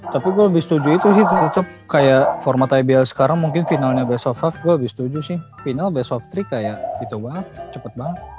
tapi gue lebih setuju itu sih tetep kayak format ibl sekarang mungkin finalnya best of lima gue lebih setuju sih final best of tiga kayak gitu banget cepet banget